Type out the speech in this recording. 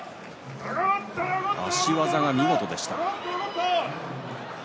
足技が見事でした。